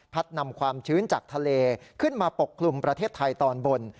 นำความชื้นจากทะเลขึ้นมาปกคลุมประเทศไทยตอนบน